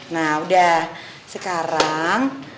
nah udah sekarang